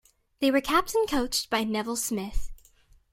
They were captain-coached by Neville Smith.